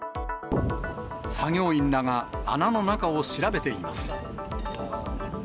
作業員らが穴の中を調べています。